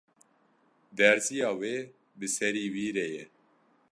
Derziya wê bi serî wî re ye